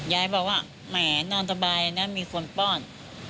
ยายบอกว่าแหมนอนสบายนะมีคนป้อน